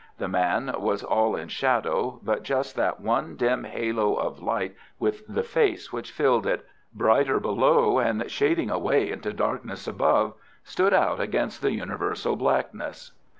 The man was all in shadow, but just that one dim halo of light with the face which filled it, brighter below and shading away into darkness above, stood out against the universal blackness.